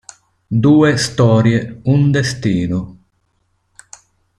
Due storie un destino